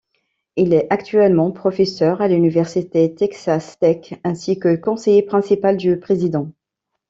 Il est actuellement professeur à l'Université Texas Tech ainsi que conseiller principal du président.